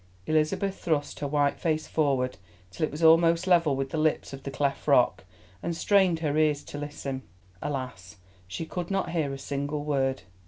Elizabeth thrust her white face forward till it was almost level with the lips of the cleft rock and strained her ears to listen. Alas! she could not hear a single word.